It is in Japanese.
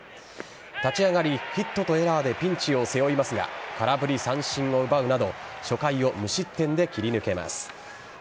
立ち上がり、ヒットとエラーでピンチを背負いますが空振り三振を奪うなど初回を無失点で切り抜けます。